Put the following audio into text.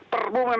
perbu memang bukan